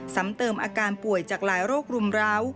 ซ้ำเติมอาการป่วยจากหลายโรครุมร้าว